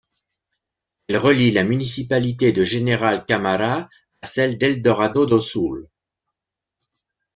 Elle relie la municipalité de General Câmara à celle d'Eldorado do Sul.